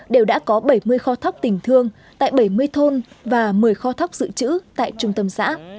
đều đã có bảy mươi kho thóc tình thương tại bảy mươi thôn và một mươi kho thóc dự trữ tại trung tâm xã